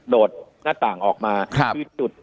โดดหน้าต่างออกมาคือจุด